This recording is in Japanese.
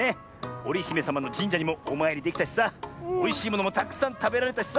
おりひめさまのじんじゃにもおまいりできたしさおいしいものもたくさんたべられたしさ！